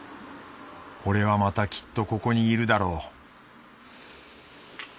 俺はまたきっとここにいるだろう。